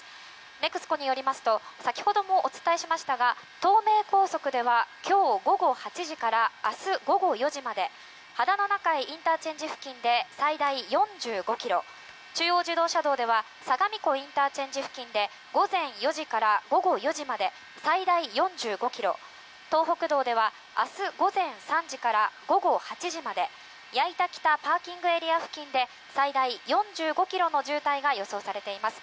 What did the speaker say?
ＮＥＸＣＯによりますと先ほどもお伝えしましたが東名高速では今日午後８時から明日午後４時まで秦野中井ＩＣ付近で最大４５ｋｍ中央自動車道では相模湖ＩＣ付近で午前４時から午後５時まで最大４５ｋｍ東北道では明日午前３時から午後８時まで矢板北ＰＡ付近で最大４５ｋｍの渋滞が予想されています。